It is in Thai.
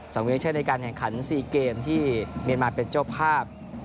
๒วินาทีในการแข่งขัน๔เกมที่เมียนมาร์เป็นเจ้าภาพ